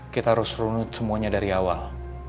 kita harus runut semuanya dari awal